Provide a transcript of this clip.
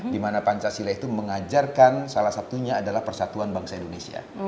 dimana pancasila itu mengajarkan salah satunya adalah persatuan bangsa indonesia